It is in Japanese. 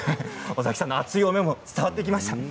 尾崎さんの熱い思いも伝わってきました。